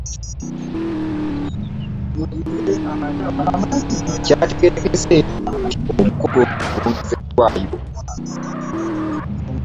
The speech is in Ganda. Kyategeerekese nti omukolo gwayongeddwaayo.